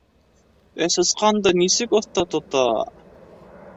Ә сысҡанды нисек оҫта тота!..